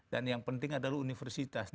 dan yang penting adalah universitas